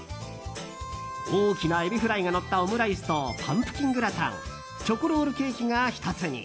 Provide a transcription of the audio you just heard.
大きなエビフライがのったオムライスとパンプキングラタンチョコロールケーキが１つに。